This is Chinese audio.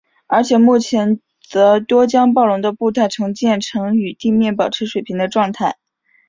而目前则多将暴龙的步态重建成与地面保持水平的状态。